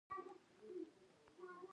څوک به درس ووایي راتلونکې زمانه ده.